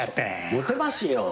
モテますよ。